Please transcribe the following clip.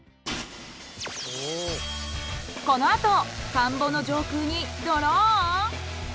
このあと田んぼの上空にドローン！？